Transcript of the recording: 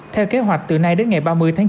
theo kế hoạch từ nay đến ngày ba mươi tháng chín